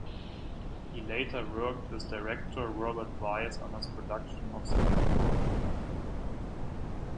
He later worked with director Robert Wise on his production of The Hindenburg.